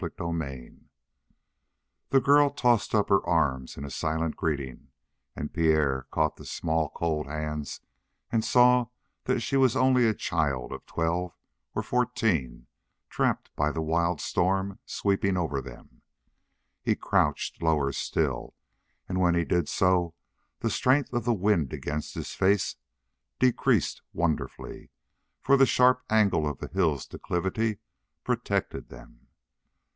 CHAPTER 8 The girl tossed up her arms in a silent greeting, and Pierre caught the small cold hands and saw that she was only a child of twelve or fourteen trapped by the wild storm sweeping over them. He crouched lower still, and when he did so the strength of the wind against his face decreased wonderfully, for the sharp angle of the hill's declivity protected them.